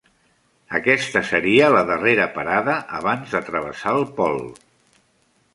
Aquesta seria la darrera parada abans de travessar el pol.